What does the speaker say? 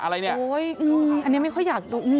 อะไรเนี่ยอันนี้ไม่ค่อยอยากดู